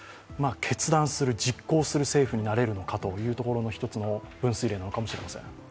決断する、実行する政府になれるのかというところの一つの分水嶺なのかもしれません。